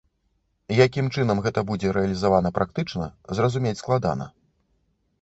Якім чынам гэта будзе рэалізавана практычна, зразумець складана.